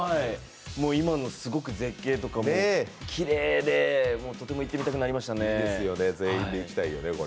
今のすごく絶景とかもきれいで、もうとても行ってみたくなりましたね。